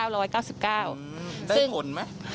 ได้ผลไหม